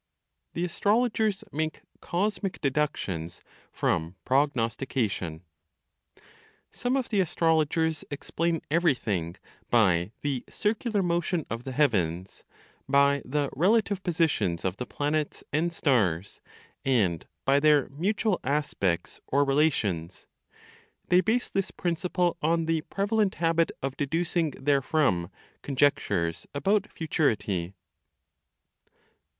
THE ASTROLOGERS MAKE COSMIC DEDUCTIONS FROM PROGNOSTICATION. Some (of the astrologers) explain everything by the circular motion of the heavens, by the relative positions of the planets and stars, and by their mutual aspects (or, relations). They base this (principle) on the prevalent habit of deducing therefrom conjectures about futurity.